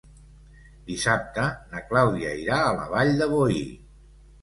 Dissabte na Clàudia irà a la Vall de Boí.